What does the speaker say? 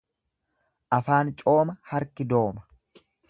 Afaan cooma harki dooma.